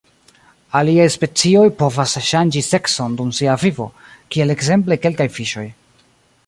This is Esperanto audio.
Aliaj specioj povas ŝanĝi sekson dum sia vivo, kiel ekzemple kelkaj fiŝoj.